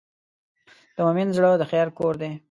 د مؤمن زړه د خیر کور دی.